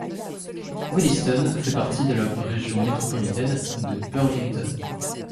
Williston fait partie de la région métropolitaine de Burlington.